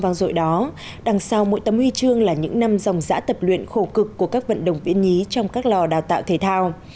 trong khi đó đằng sau mỗi tấm huy trường là những năm dòng giã tập luyện khổ cực của các vận động viễn nhí trong các lò đào tạo thể thao